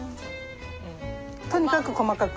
とにかく細かく？